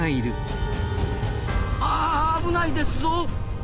あ危ないですぞ！